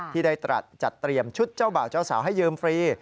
ที่ได้ตรัสจัดเตรียมชุดเจ้าบ่าวเจ้าสาวให้ยืมฟรี